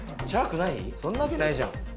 そんなわけないじゃん。